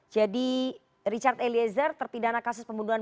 jadi richard eliezer terpidana kasus pembunuhan